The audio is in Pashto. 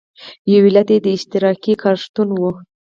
یو علت یې د اشتراکي کار شتون و.